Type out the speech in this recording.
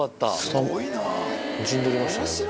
すごいな。